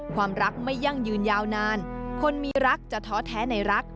ความรักไม่ยั่งยืนยาวนานคนมีรักจะท้อแท้ในรัก